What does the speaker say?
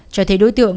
cho thấy đối tượng